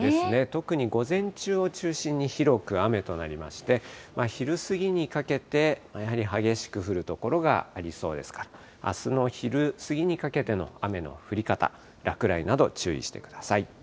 特に午前中を中心に広く雨となりまして、昼過ぎにかけて、やはり激しく降る所がありそうですから、あすの昼過ぎにかけての雨の降り方、落雷など、注意してください。